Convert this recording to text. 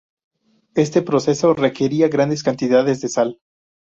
Este proceso requería grandes cantidades de sal.